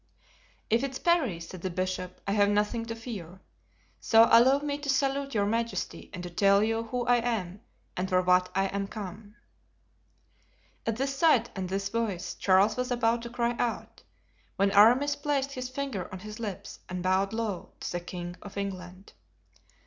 "If it's Parry," said the bishop, "I have nothing to fear; so allow me to salute your majesty and to tell you who I am and for what I am come." At this sight and this voice Charles was about to cry out, when Aramis placed his finger on his lips and bowed low to the king of England.